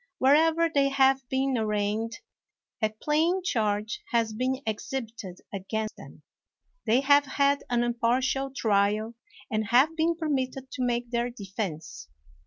Wherever they have been arraigned, a plain charge has been ex hibited against them. They have had an impar tial trial and have been permitted to make their defense.